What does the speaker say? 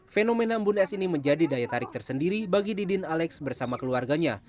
fenomena embun es ini menjadi daya tarik tersendiri bagi didin alex bersama keluarganya